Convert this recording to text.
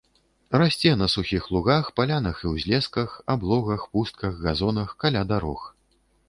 Расце на сухіх лугах, палянах і ўзлесках, аблогах, пустках, газонах, каля дарог.